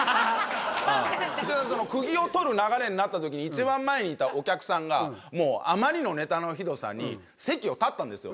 くぎを取る流れになった時に一番前にいたお客さんがもうあまりのネタのひどさに席を立ったんですよ